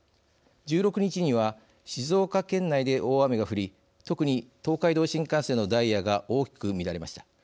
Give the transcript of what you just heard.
１６日には静岡県内で大雨が降り特に東海道新幹線のダイヤが大きく乱れました。